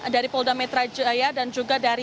dari polda metro jaya dan juga dari